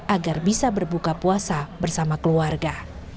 agar bisa berbuka puasa bersama keluarga